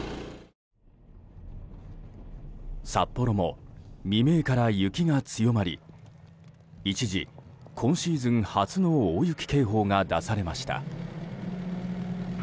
札幌も未明から雪が強まり一時、今シーズン初の大雪警報が出されました。